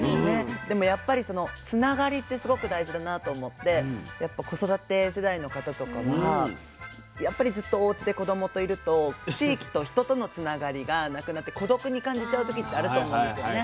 でもやっぱりそのつながりってすごく大事だなと思って子育て世代の方とかはやっぱりずっとおうちで子どもといると地域と人とのつながりがなくなって孤独に感じちゃう時ってあると思うんですよね。